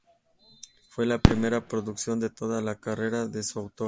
Fue la primera producción de toda la carrera de su autor.